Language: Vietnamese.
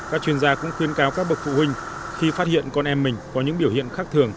các chuyên gia cũng khuyên cáo các bậc phụ huynh khi phát hiện con em mình có những biểu hiện khác thường